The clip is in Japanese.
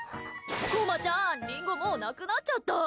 こまちゃん、リンゴもうなくなっちゃった！